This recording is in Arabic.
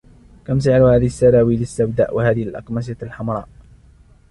كم سعر هذه السراويل السوداء و هذه الأقمصة الحمراء؟